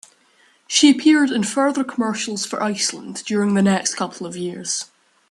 She appeared in further commercials for Iceland during the next couple of years.